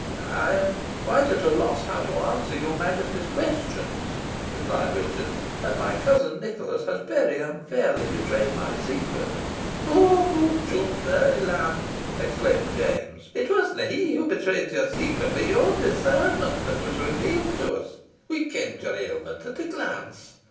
"I am quite at a loss how to answer your Majesty's questions," replied Richard, "and my cousin Nicholas has very unfairly betrayed my secret." "Hoot, toot! na, lad," exclaimed James; "it wasna he wha betrayed your secret, but our ain discernment that revealed it to us. We kenned your ailment at a glance.